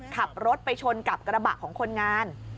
ขับรถไปชนกับกระบะของคนงาน